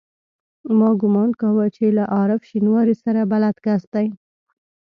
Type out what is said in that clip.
ما ګومان کاوه چې له عارف شینواري سره بلد کس دی.